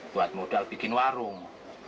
buat modal bikin warung